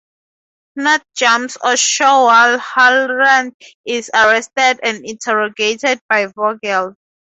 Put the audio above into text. Knut jumps ashore while Harald is arrested and interrogated by Vogel.